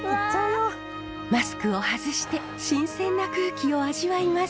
マスクを外して新鮮な空気を味わいます。